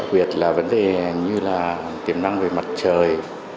việc là vấn đề như là tiềm năng về mặt trời